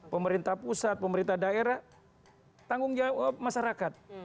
pemerintah pusat pemerintah daerah tanggung jawab masyarakat